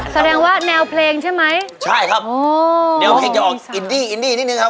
แสดงว่าแนวเพลงใช่ไหมใช่ครับเดี๋ยวเค้ออกอิทธินินิดนึงครับ